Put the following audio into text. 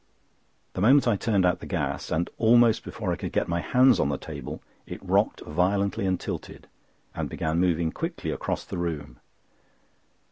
The moment I turned out the gas, and almost before I could get my hands on the table, it rocked violently and tilted, and began moving quickly across the room.